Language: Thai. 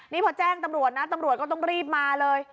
นี่พอแจ้งตำรวจนะตำรวจก็ต้องรีบมาเลย